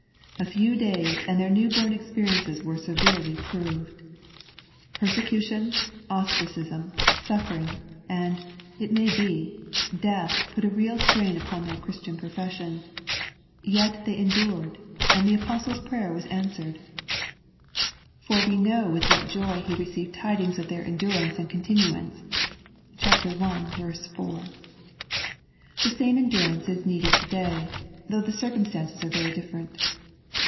A few days and their new born experiences were severely proved. Persecution, ostracism, suffering, and, it may be, death put a real strain upon their Christian profession ; yet they endured, and the Apostle's prayer was answered ; for we 46 Love and Peace know with what joy he received tidings of their endurance and continuance (ch. i. 4). The same endurance is needed to day, though the circumstances are very different.